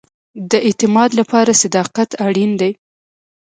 د اعتماد لپاره صداقت اړین دی